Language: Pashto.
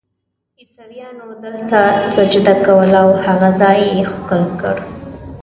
عیسویانو دلته سجده کوله او هغه ځای یې ښکل کړ.